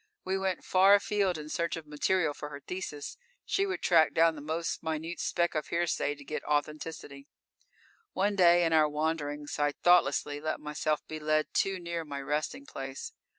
We went far afield in search of material for her thesis. She would track down the most minute speck of hearsay, to get authenticity._ _One day, in our wanderings, I thoughtlessly let myself be led too near my resting place.